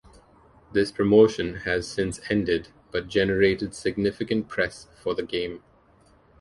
This promotion has since ended, but generated significant press for the game.